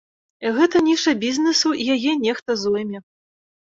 Гэта ніша бізнесу і яе нехта зойме.